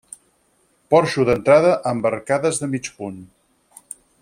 Porxo d'entrada amb arcades de mig punt.